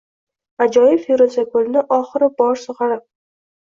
Ajoyib feruza gulni oxirgi bor sug‘orib